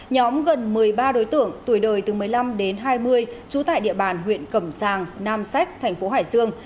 nhóm gần một mươi ba đối tượng tuổi đời từ một mươi năm đến hai mươi trú tại địa bàn huyện cẩm sàng nam sách thành phố hải dương